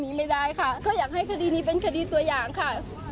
นี้ไม่ได้ค่ะก็อยากให้คดีนี้เป็นคดีตัวอย่างค่ะ